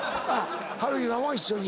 はるひさんは一緒に？